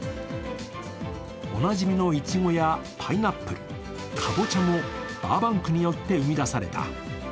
おなじみのイチゴやパイナップル、カボチャもバーバンクによって生み出された。